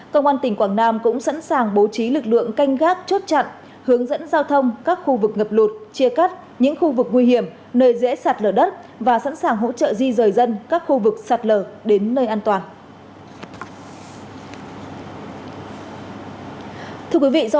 công an tỉnh quảng nam đã triển khai lực lượng sẵn sàng ứng phó với bão và mưa lớn theo phương án ứng phó với thiên tai theo các cấp độ rủi ro trong bối cảnh dịch bệnh covid